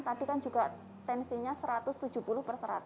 tadi kan juga tensinya satu ratus tujuh puluh per seratus